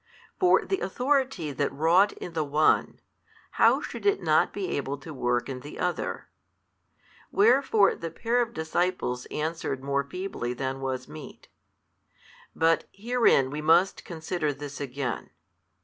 For the Authority that wrought in the one, how should it not be able to work in the other? Wherefore the pair of disciples answered more feebly than was meet. But herein we must consider this again.